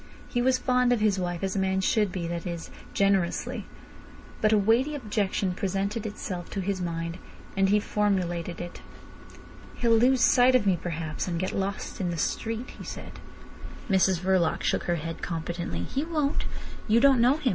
He was fond of his wife as a man should be—that is, generously. But a weighty objection presented itself to his mind, and he formulated it. "He'll lose sight of me perhaps, and get lost in the street," he said. Mrs Verloc shook her head competently. "He won't. You don't know him.